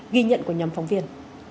ghi nhận của nhóm phóng viên